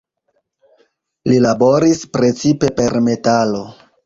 Li laboris precipe per metalo.